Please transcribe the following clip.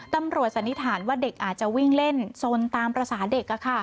ตำรวจสันนิษฐานว่าเด็กอาจจะวิ่งเล่นซนตามประสาทเด็กค่ะ